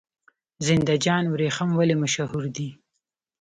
زنده جان وریښم ولې مشهور دي؟